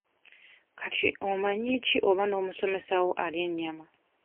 Kati omanyi ki oba n'omusomesa wo alya ennyama?